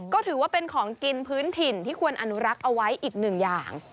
ก็ถือว่าเป็นของกินพื้นถิ่นที่ควรอนุรักษ์เอาไว้อีกหนึ่งอย่าง